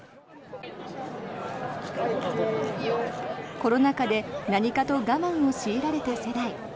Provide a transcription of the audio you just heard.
コロナ禍で何かと我慢を強いられた世代。